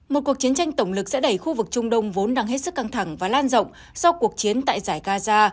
một cuộc chiến tranh tổng lực sẽ đẩy khu vực trung đông vốn đang hết sức căng thẳng và lan rộng sau cuộc chiến tại giải gaza